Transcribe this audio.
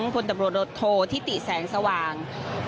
พลตำรวจโทษธิติแสงสว่าง